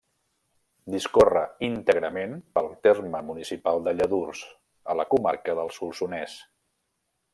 Discorre íntegrament pel terme municipal de Lladurs, a la comarca del Solsonès.